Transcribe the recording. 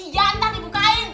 iya nanti dibukain